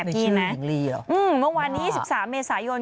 ในชื่อหญิงลีเหรออืมวันนี้๑๓เมษายน